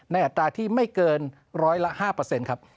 ในอัตราที่ไม่เกิน๑๐๐ละ๕ครับ